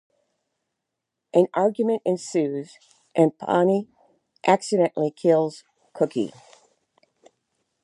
An argument ensues and Bonnie accidentally kills Cookie.